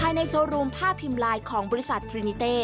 ภายในโชว์รูมภาพพิมลายของบริษัททรินิเต้